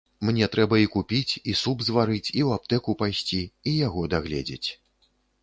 Мне трэба і купіць, і суп зварыць, і ў аптэку пайсці, і яго дагледзець.